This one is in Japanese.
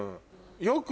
よく。